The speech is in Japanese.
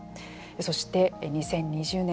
そして、２０２０年。